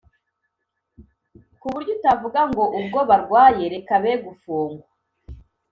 ku buryo utavuga ngo ubwo barwaye reka be gufungwa